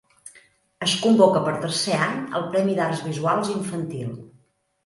Es convoca per tercer any el premi d'Arts Visuals infantil.